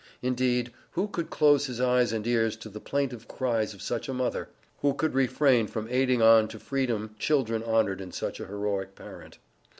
Indeed, who could close his eyes and ears to the plaintive cries of such a mother? Who could refrain from aiding on to freedom children honored in such a heroic parent?